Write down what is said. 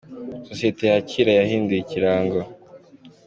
Sosiyete ya Kira yahinduye Ikirango